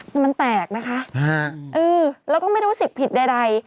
แต่มันแตกนะคะเออแล้วก็ไม่รู้สึกผิดใด